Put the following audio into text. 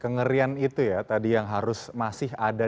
kengerian itu ya tadi yang harus masih ada